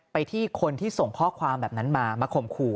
ไปที่คนที่ส่งข้อความแบบนั้นมามาข่มขู่